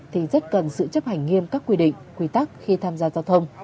thì rất cần sự chấp hành nghiêm các quy định quy tắc khi tham gia giao thông